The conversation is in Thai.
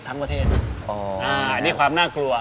ทั้งประเทศนี่ความน่ากลัว